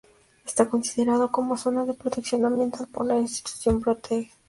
Está considerado como zona de protección ambiental por la institución Protege.